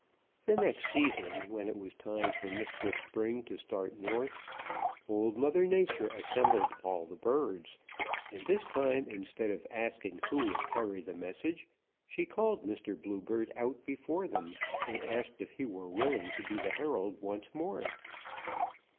The next season when it was time for Mistress Spring to start north, Old Mother Nature assembled all the birds, and this time, instead of asking who would carry the message, she called Mr. Bluebird out before them and asked if he were willing to be the herald once more.